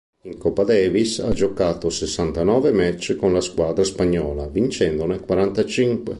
In Coppa Davis ha giocato sessantanove match con la squadra spagnola vincendone quarantacinque.